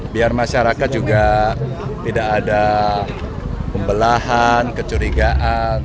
biar masyarakat juga tidak ada pembelahan kecurigaan